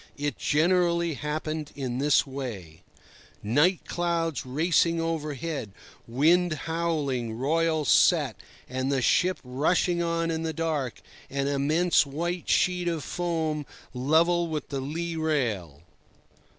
It generally happened in this way: Night, clouds racing overhead, wind howling, royals set, and the ship rushing on in the dark, an immense white sheet of foam level with the lee rail.